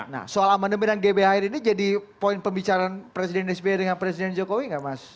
nah soal mendemainan gbhr ini jadi poin pembicaraan presiden spr dengan presiden jokowi gak mas